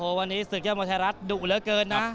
โอ้โหวันนี้ศึกเยาหมาไทยรัฐดุเหลือเกินนะ